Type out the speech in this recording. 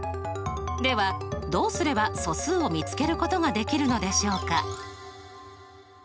ではどうすれば素数を見つけることができるのでしょうか？